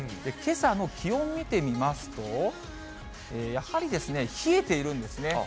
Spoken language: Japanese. けさの気温見てみますと、やはり冷えているんですね。